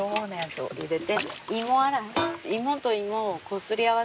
そう入れて。